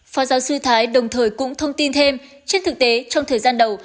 phó giáo sư thái đồng thời cũng thông tin thêm trên thực tế trong thời gian đầu